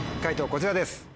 こちらです。